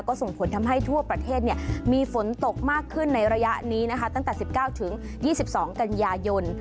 ก็ส่งผลทำให้ทั่วประเทศมีฝนตกมากขึ้นในระยะนี้นะคะตั้งแต่๑๙๒๒กันยายน